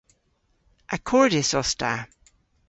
Akordys os ta.